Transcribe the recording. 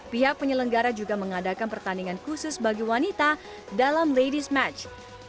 pihak penyelenggara juga mengadakan pertandingan khusus bagi wanita dalam ladies match